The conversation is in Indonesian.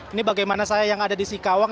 ini bagaimana saya yang ada di singkawang